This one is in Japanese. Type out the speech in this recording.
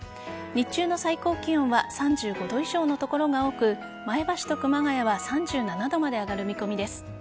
日中の最高気温は３５度以上の所が多く前橋と熊谷は３７度まで上がる見込みです。